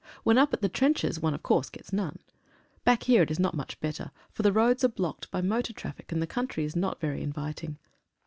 When up at the trenches one, of course, gets none. Back here it is not much better, for the roads are blocked by motor traffic, and the country is not very inviting.